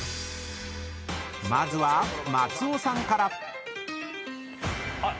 ［まずは松尾さんから］